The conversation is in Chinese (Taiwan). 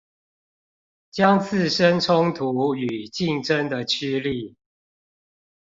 將自身衝突與競爭的趨力